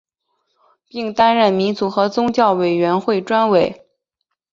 并担任民族和宗教委员会专委。